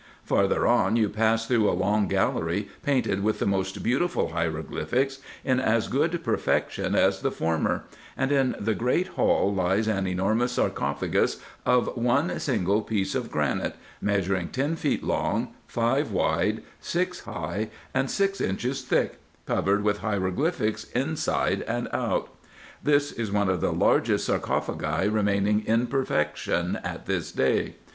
Farther on you pass tlu ough a long gallery, painted with the most beautiful hieroglyphics, in as good perfection as the former ; and in the great hall lies an enormous sarcophagus, of one single piece of granite, measuring ten feet long, five wide, six high, and six inches thick, covered with hieroglyphics inside and out. This is one of the IN EGYPT, NUBIA, &c. 195 largest sarcophagi remaining in perfection at this day.